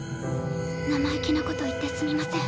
生意気なこと言ってすみません。